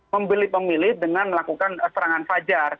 membeli pemilih dengan melakukan resmi